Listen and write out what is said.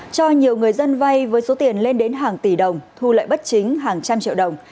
cho nhiều người dân vay với số tiền lên đến hàng tỷ đồng thu lợi bất chính hàng trăm triệu đồng